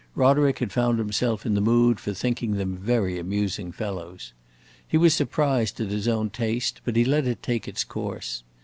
Roderick had found himself in the mood for thinking them very amusing fellows. He was surprised at his own taste, but he let it take its course.